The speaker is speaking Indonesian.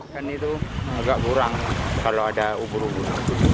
ikan itu agak burang kalau ada ubur ubur